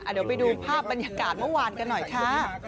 เดี๋ยวไปดูภาพบรรยากาศเมื่อวานกันหน่อยค่ะ